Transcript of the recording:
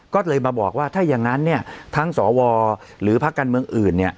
ก็เลยมาบอกว่าถ้าอย่างนั้นทั้งสวหรือพักการเมืองอื่น